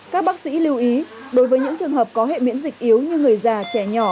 các bác sĩ lưu ý đối với những trường hợp có hệ miễn dịch yếu như người già trẻ nhỏ